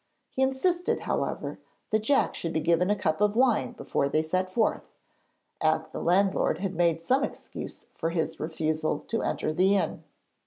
He insisted, however, that Jack should be given a cup of wine before they set forth, as the landlord had made some excuse for his refusal to enter the inn.